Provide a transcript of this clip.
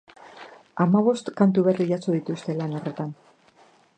Hamabost kantu berri jaso dituzte lan horretan.